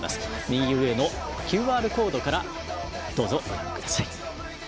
右上のＱＲコードからどうぞご覧ください。